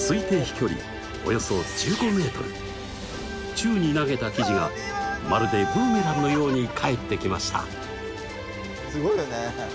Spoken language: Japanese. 宙に投げた生地がまるでブーメランのように返ってきました！